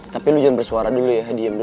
tapi lo jangan bersuara dulu ya